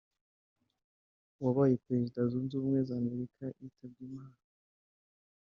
wabaye perezida wa Leta Zunze Ubumwe za Amerika yitabye Imana